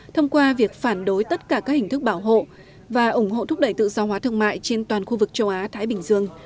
thông qua việc phản đối tất cả các hình thức bảo hộ và ủng hộ thúc đẩy tự do hóa thương mại trên toàn khu vực châu á thái bình dương